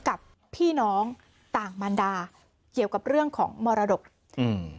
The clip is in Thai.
กับพี่น้องต่างมันดาเกี่ยวกับเรื่องของมรดกอืม